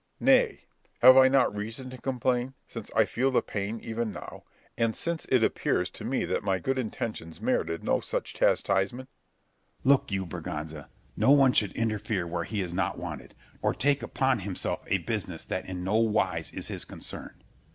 Berg. Nay; have I not reason to complain, since I feel the pain even now; and since it appears to me that my good intentions merited no such chastisement? Scip. Look you, Berganza, no one should interfere where he is not wanted, nor take upon himself a business that in no wise is his concern.